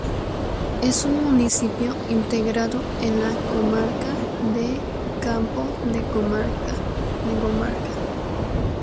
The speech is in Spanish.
Es un municipio integrado en la Comarca de Campo de Gómara.